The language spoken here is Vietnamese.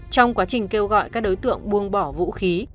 trong quá trình kêu gọi các đối tượng buông bỏ vũ khí